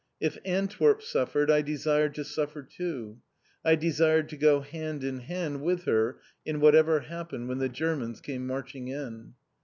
If Antwerp suffered, I desired to suffer too. I desired to go hand in hand with her in whatever happened when the Germans came marching in.